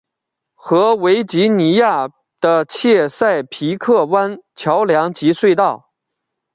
和维吉尼亚的切塞皮克湾桥梁及隧道。